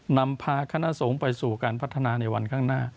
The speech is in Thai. นำพาคณะสงฆ์ไปสู่การพัฒนาในวันข้างหน้า